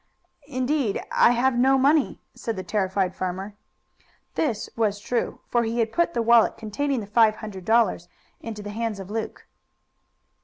"Indeed I have no money," said the terrified farmer. This was true, for he had put the wallet containing the five hundred dollars into the hands of Luke.